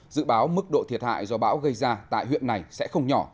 dự báo mức độ thiệt hại do bão gây ra tại huyện này sẽ không nhỏ